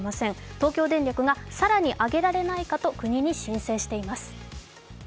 東京電力が更に上げられないかと国に申請しています。